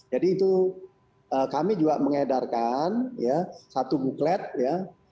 jadi itu kami juga mengedarkan satu buklet ya